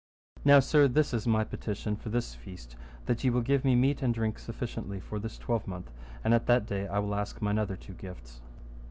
Now, sir, this is my petition for this feast, that ye will give me meat and drink sufficiently for this twelvemonth, and at that day I will ask mine other two gifts.